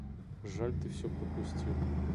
Жаль, ты всё пропустил.